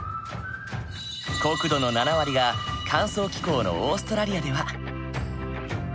国土の７割が乾燥気候のオーストラリアでは。